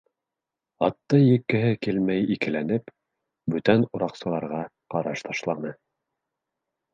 Атты еккеһе килмәй икеләнеп, бүтән ураҡсыларға ҡараш ташланы.